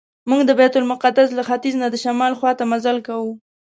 موږ د بیت المقدس له ختیځ نه د شمال خواته مزل کاوه.